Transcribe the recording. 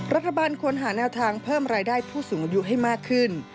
รัฐบาลควรหาแนวทางเพิ่มรายได้ผู้สูงอายุให้มากขึ้น